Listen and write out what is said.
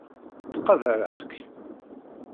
Ttqadaṛeɣ-k.